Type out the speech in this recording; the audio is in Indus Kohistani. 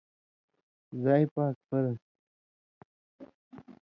زائ پاک فرض تھی۔